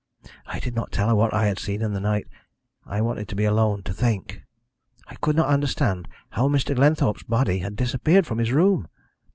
I did not tell her what I had seen in the night. I wanted to be alone, to think. I could not understand how Mr. Glenthorpe's body had disappeared from his room.